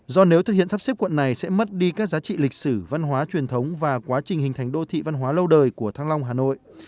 do nếu thực hiện sắp xếp quận này sẽ mất đi các giá trị lịch sử văn hóa truyền thống và quá trình hình thành đô thị văn hóa lâu đời của thăng long hà nội